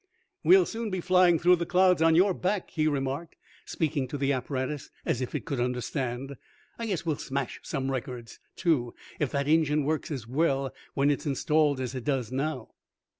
"We'll soon be flying through the clouds on your back," he remarked, speaking to the apparatus as if it could understand. "I guess we'll smash some records, too, if that engine works as well when it's installed as it does now."